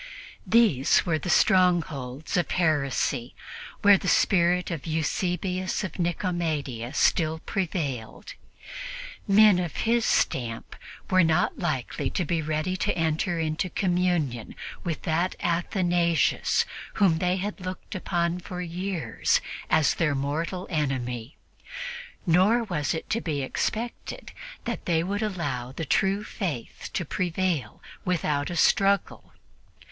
These were the strongholds of heresy, where the spirit of Eusebius of Nicomedia still prevailed. Men of his stamp were not likely to be ready to enter into communion with that Athanasius whom they had looked upon for years as their mortal enemy, nor was it to be expected that they would allow the true Faith to prevail without a struggle.